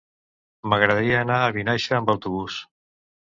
M'agradaria anar a Vinaixa amb autobús.